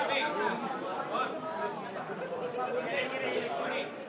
pin di depan pin